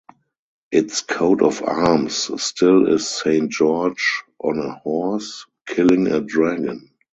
Its coat of arms still is Saint George on a horse, killing a dragon.